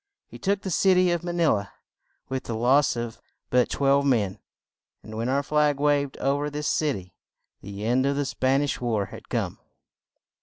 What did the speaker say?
He took the cit y of Ma ni la with the loss of but twelve men, and when our flag waved o ver this cit y, the end of the Span ish war had come.